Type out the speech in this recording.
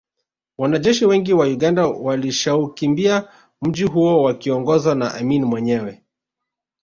Wanajeshi wengi wa Uganda walishaukimbia mji huo wakiongozwa na Amin mwenyewe